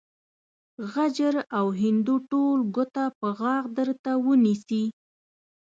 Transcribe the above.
غجر او هندو ټول ګوته په غاښ درته ونيسي.